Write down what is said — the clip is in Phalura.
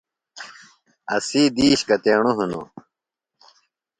اسی دِیش کتیݨوۡ ہِنوۡ؟